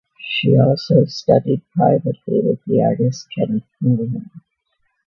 She also studied privately with the artist Kenneth Noland.